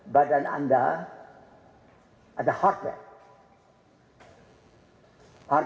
badan anda ada kekuatan